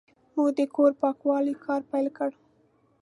موږ د کور پاکولو کار پیل کړ.